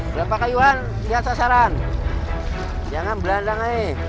beli pakai uang lihat sasaran jangan berandang